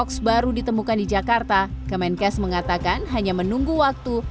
hoax baru ditemukan di jakarta kemenkes mengatakan hanya menunggu waktu